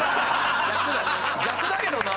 逆だけどな。